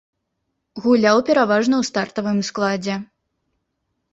Гуляў пераважна ў стартавым складзе.